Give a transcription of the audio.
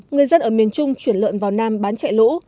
người dân ở miền trung chuyển lợn vào nam bán chạy lũ